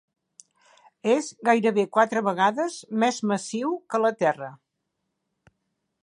És gairebé quatre vegades més massiu que la Terra.